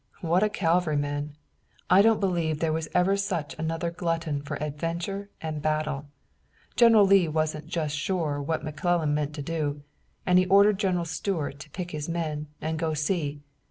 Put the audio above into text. What a cavalryman! I don't believe there was ever such another glutton for adventure and battle. General Lee wasn't just sure what McClellan meant to do, and he ordered General Stuart to pick his men and go see.